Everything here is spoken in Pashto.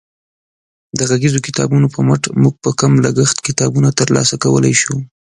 د غږیزو کتابونو په مټ موږ په کم لګښت کتابونه ترلاسه کولی شو.